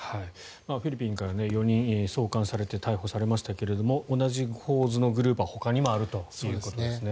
フィリピンから４人送還されて逮捕されましたが同じ構図のグループはほかにもあるということですね。